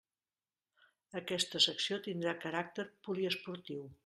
Aquesta secció tindrà caràcter poliesportiu.